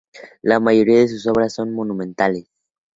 La mayoría de sus obras son monumentales.